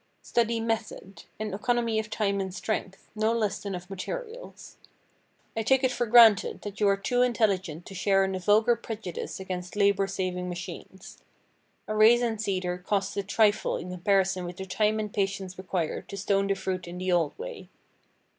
Study method, and economy of time and strength, no less than of materials. I take it for granted that you are too intelligent to share in the vulgar prejudice against labor saving machines. A raisin seeder costs a trifle in comparison with the time and patience required to stone the fruit in the old way.